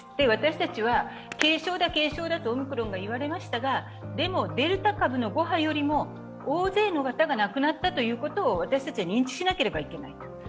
私たちは軽症だ、軽症だとオミクロンが言われましたがでも、デルタ株の５波よりも大勢の方がなくなったというのと私たちは認知しなければならない。